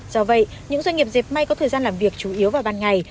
do vậy những doanh nghiệp dẹp may có thời gian làm việc chủ yếu vào ban ngày